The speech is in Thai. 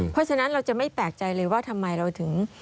เพราะฉะนั้นเราจะไม่แปลกใจเลยว่าทำไมเราถึง